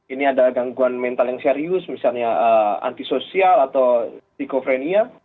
ini ada gangguan mental yang serius misalnya antisosial atau psikofrenia